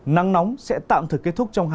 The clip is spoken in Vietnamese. nắng nóng sẽ tạm thực kết thúc trong hai ngày tới